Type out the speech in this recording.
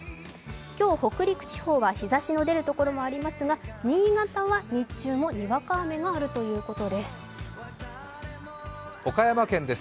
今日北陸地方は日ざしの出る所もありますが新潟は日中もにわか雨があるということです。